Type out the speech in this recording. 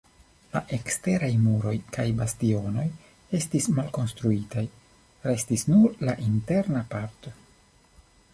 La eksteraj muroj kaj bastionoj estis malkonstruitaj, restis nur la interna parto.